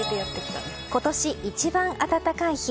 今年一番暖かい日。